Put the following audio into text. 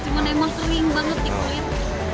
cuman emang sering banget dikulit